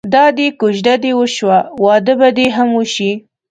دادی کوژده دې وشوه واده به دې هم وشي.